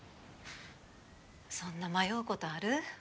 そんな迷うことある？